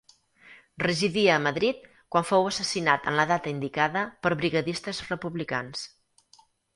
Residia a Madrid, quan fou assassinat en la data indicada, per brigadistes republicans.